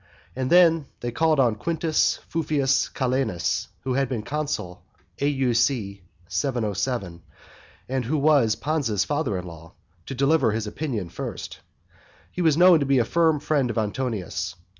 And then they called on Quintus Fufius Calenus, who had been consul A.U.C. 707, and who was Pansa's father in law, to deliver his opinion first. He was known to be a firm friend of Antonius.